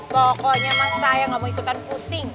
pokoknya mah saya gak mau ikutan pusing